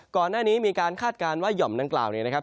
ก่อนหน้านี้มีคาดการณ์ว่าย่อมจุฆะกราวนะครับ